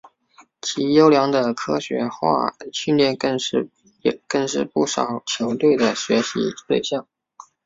其优良的科学化训练更是不少球队的学习对象。